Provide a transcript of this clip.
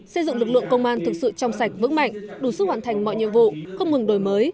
xây dựng lực lượng công an thực sự trong sạch vững mạnh đủ sức hoàn thành mọi nhiệm vụ không ngừng đổi mới